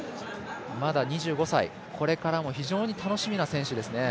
まだ２５歳、これからも非常に楽しみな選手ですね。